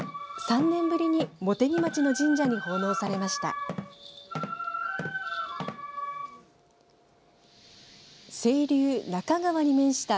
３年ぶりに茂木町の神社に奉納されました。